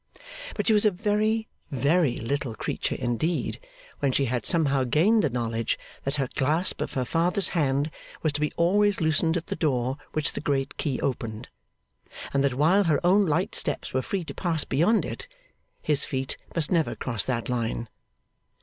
But she was a very, very little creature indeed, when she had somehow gained the knowledge that her clasp of her father's hand was to be always loosened at the door which the great key opened; and that while her own light steps were free to pass beyond it, his feet must never cross that line.